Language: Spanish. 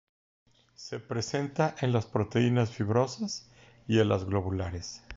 Se presenta en las proteínas fibrosas y en las globulares.